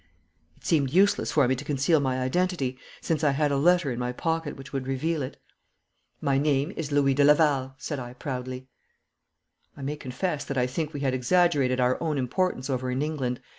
It seemed useless for me to conceal my identity, since I had a letter in my pocket which would reveal it. 'My name is Louis de Laval,' said I proudly. I may confess that I think we had exaggerated our own importance over in England.